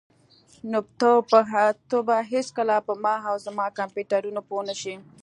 نو ته به هیڅکله په ما او زما کمپیوټرونو پوه نشې